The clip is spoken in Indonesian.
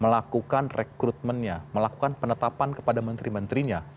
melakukan rekrutmennya melakukan penetapan kepada menteri menterinya